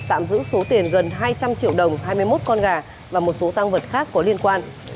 tạm giữ số tiền gần hai trăm linh triệu đồng hai mươi một con gà và một số tăng vật khác có liên quan